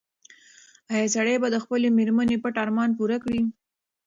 ایا سړی به د خپلې مېرمنې پټ ارمان پوره کړي؟